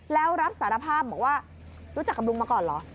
แล้วรับสารภาพบอกว่ารู้จักกับลุงมาก่อนเหรอ